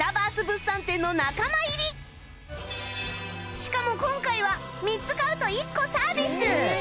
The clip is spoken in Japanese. しかも今回は３つ買うと１個サービス！